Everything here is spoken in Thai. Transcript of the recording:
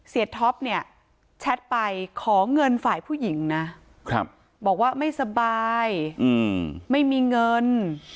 ท็อปเนี่ยแชทไปขอเงินฝ่ายผู้หญิงนะบอกว่าไม่สบายไม่มีเงิน